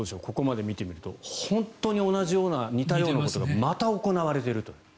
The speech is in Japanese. ここまで見てみると本当に同じような似たようなことがまた行われていると。